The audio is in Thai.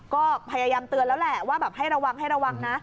ก็พยายามเตือนแล้วแหละว่าแบบให้ระวังให้ระวังนะ